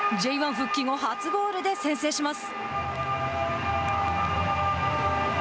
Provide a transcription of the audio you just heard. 復帰後初ゴールで先制します。